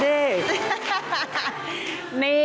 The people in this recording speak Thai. จิลมาพร้อมกับพี่บอร์